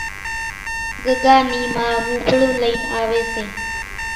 ڳڳا نِي ما ۿوپڙون لئين آوي سي